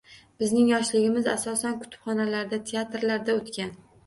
Bizning yoshligimiz asosan kutubxonalarda, teatrlarda o‘tgan.